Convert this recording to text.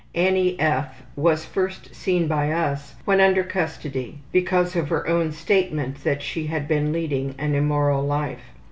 Annie F. was first seen by us when under custody because of her own statement that she had been leading an immoral life.